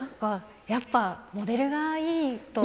やっぱりモデルがいいと。